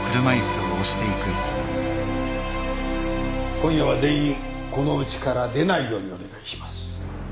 今夜は全員このうちから出ないようにお願いします。